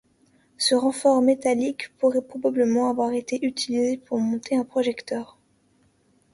Ce renfort métallique pourrait probablement avoir été utilisé pour monter un projecteur.